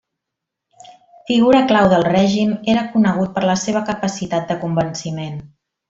Figura clau del règim, era conegut per la seva capacitat de convenciment.